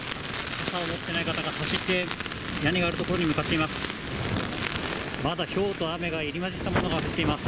傘を持ってない方が走って、屋根がある所に向かっています。